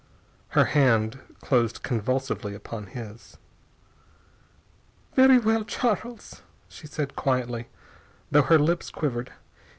Her hand closed convulsively upon his. "V very well, Charles," she said quietly, though her lips quivered.